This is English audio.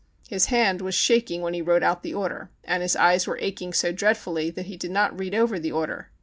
His hand was shaking when he wrote out the order, and his eyes were aching so dreadfully that he did not read over the order.